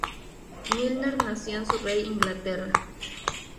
Milner nació en Surrey, Inglaterra.